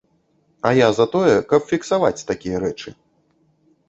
А я за тое, каб фіксаваць такія рэчы.